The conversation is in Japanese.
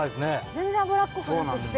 全然脂っこくなくって。